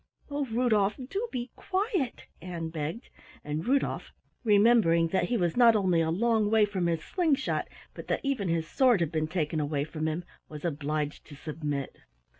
"Oh, Rudolf, do be quiet!" Ann begged, and Rudolf, remembering that he was not only a long way from his sling shot, but that even his sword had been taken away from him, was obliged to submit.